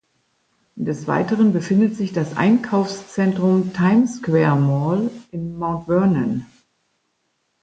Des Weiteren befindet sich das Einkaufszentrum Time Square Mall in Mount Vernon.